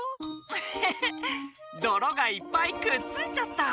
フフフどろがいっぱいくっついちゃった。